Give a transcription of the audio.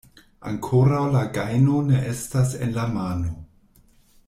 Ankoraŭ la gajno ne estas en la mano.